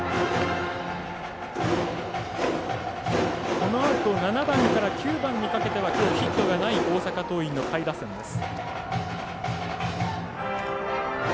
このあと７番から９番にかけてはきょう、ヒットがない大阪桐蔭の下位打線です。